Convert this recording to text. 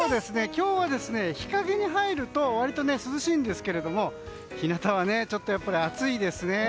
今日は日陰に入ると割と涼しいんですが日向はちょっと暑いですね。